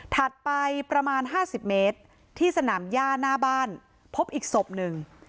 ไปประมาณ๕๐เมตรที่สนามย่าหน้าบ้านพบอีกศพหนึ่ง